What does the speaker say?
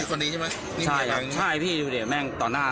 มีอันนี้ใช่ไหมใช่เช้าไออัยยกใช่พี่ดูสิแม่งตอนหน้า